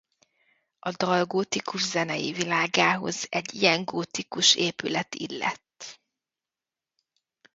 A dal gótikus zenei világához egy ilyen gótikus épület illett.